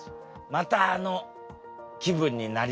またあの気分になりたい。